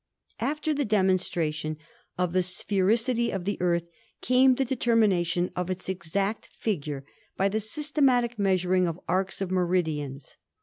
After the demonstration of the sphericity of the Earth came the determination of its exact figure by the systematic measuring of arcs of meridians.